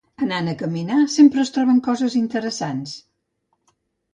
Anant a caminar, sempre es troben coses interessants